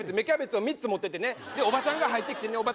キャベツを３つ持っててねおばちゃんが入ってきてね